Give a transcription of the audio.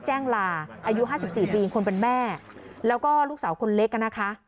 แจ้งลาอายุห้าสิบสี่ปีควรเป็นแม่แล้วก็ลูกสาวคนเล็ก